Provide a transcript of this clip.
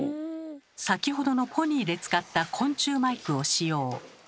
先ほどのポニーで使った昆虫マイクを使用。